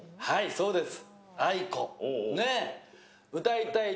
そうです。